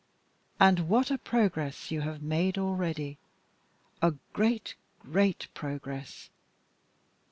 And what a progress you have made already a great, great progress.